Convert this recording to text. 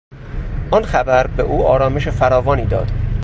آن خبر به او آرامش فراوانی داد.